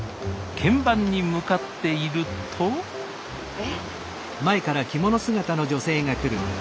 見番に向かっているとえ？